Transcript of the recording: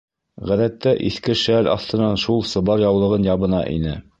Ғәҙәттә иҫке шәл аҫтынан шул сыбар яулығын ябына ине.